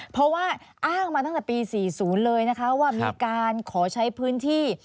เพราะว่าอ้างมาตั้งแต่ปี๔๐เลยนะคะว่ามีการขอใช้พื้นที่